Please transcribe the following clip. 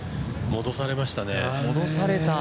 戻されましたね。